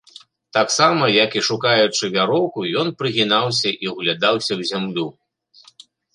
Таксама, як і шукаючы вяроўку, ён прыгінаўся і ўглядаўся ў зямлю.